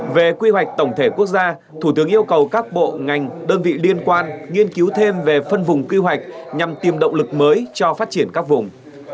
về quy hoạch tổng thể quốc gia thủ tướng yêu cầu các bộ ngành đơn vị liên quan nghiên cứu thêm về phân vùng quy hoạch nhằm tìm động lực mới cho phát triển các vùng